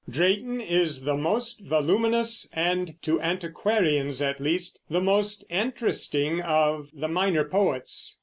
Drayton is the most voluminous and, to antiquarians at least, the most interesting of the minor poets.